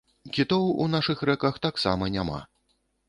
Кітоў у нашых рэках таксама няма.